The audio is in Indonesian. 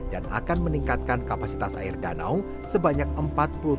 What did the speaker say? dan akan meningkatkan kapasitas air danau sebanyak empat puluh tujuh juta metrekubik